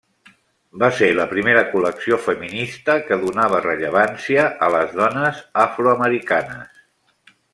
Va ser la primera col·lecció feminista que donava rellevància a les dones afroamericanes.